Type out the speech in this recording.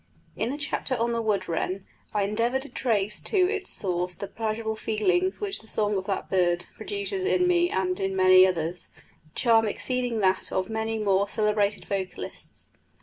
In the chapter on the wood wren, I endeavoured to trace to its source the pleasurable feelings which the song of that bird produces in me and in many others a charm exceeding that of many more celebrated vocalists.